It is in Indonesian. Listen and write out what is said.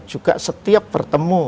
juga setiap bertemu